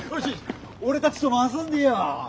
俺たちとも遊んでよね？